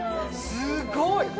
すごい！